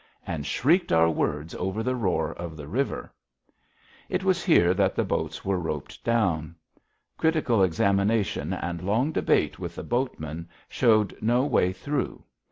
And shrieked our words over the roar of the river. It was here that the boats were roped down. Critical examination and long debate with the boatmen showed no way through.